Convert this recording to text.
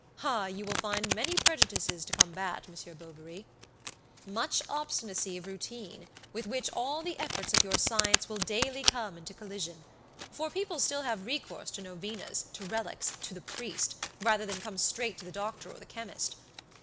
Ah! you will find many prejudices to combat, Monsieur Bovary, much obstinacy of routine, with which all the efforts of your science will daily come into collision; for people still have recourse to novenas, to relics, to the priest, rather than come straight to the doctor or the chemist.